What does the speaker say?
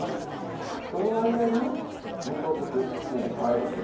その間に味噌作りいきましょう。